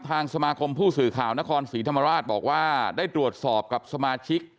ทางสมาคมผู้สื่อข่าวนครศรีธรรมราชบอกว่าได้ตรวจสอบกับสมาชิก